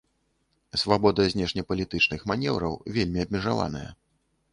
Свабода знешнепалітычных манеўраў вельмі абмежаваная.